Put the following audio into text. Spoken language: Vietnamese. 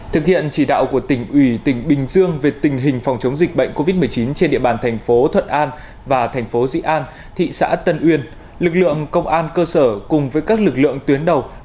thực hiện chỉ đạo của tỉnh ủy tỉnh bình dương về tình hình phòng chống dịch bệnh covid một mươi chín trên địa bàn thành phố thuận an và thành phố dị an thị xã tân uyên lực lượng công an cơ sở cùng với các lực lượng tuyến đầu